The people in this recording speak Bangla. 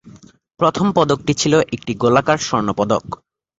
প্রথম পদকটি ছিল একটি গোলাকার স্বর্ণপদক।